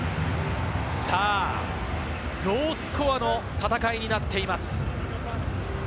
ロースコアの戦いになっています。